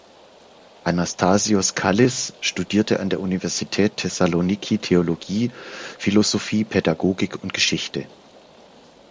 Anastasios Kallis studierte an der Universität Thessaloniki Theologie, Philosophie, Pädagogik und Geschichte.